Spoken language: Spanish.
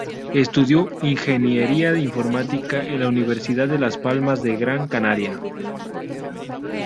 Estudió ingeniería informática en la Universidad de Las Palmas de Gran Canaria.